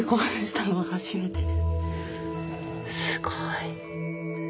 すごい。